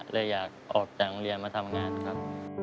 เลยอยากออกจากโรงเรียนมาทำงานครับ